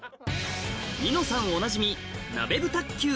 『ニノさん』おなじみ